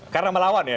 karena melawan ya